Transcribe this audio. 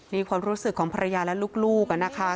นี่ความรู้สึกของภรรยาและลูกนะคะ